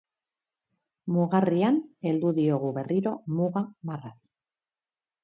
Mugarrian heldu diogu berriro muga marrari.